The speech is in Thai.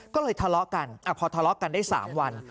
ก็เลยทะเลาะกันพอทะเลาะกันได้๓วัน